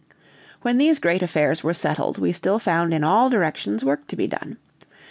When these great affairs were settled, we still found in all directions work to be done.